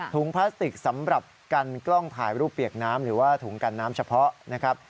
พลาสติกสำหรับกันกล้องถ่ายรูปเปียกน้ำหรือว่าถุงกันน้ำเฉพาะนะครับ